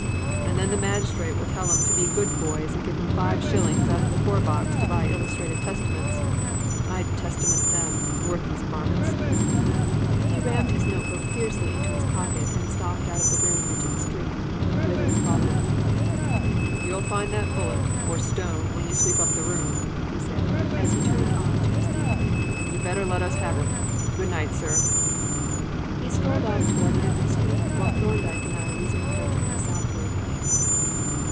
And then the magistrate will tell 'em to be good boys and give 'em five shillings out of the poor box to buy illustrated Testaments. I'd Testament them, the worthless varmints!" He rammed his notebook fiercely into his pocket and stalked out of the room into the street, whither we followed. "You'll find that bullet or stone when you sweep up the room," he said, as he turned on to his beat; "and you'd better let us have it. Good night, sir." He strolled off towards Henry Street, while Thorndyke and I resumed our journey southward.